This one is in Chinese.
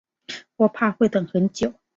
我怕会等很久